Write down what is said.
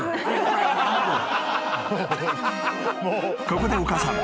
［ここでお母さん。